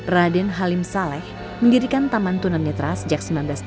raden halim saleh mendirikan taman tunan netral sejak seribu sembilan ratus delapan puluh tiga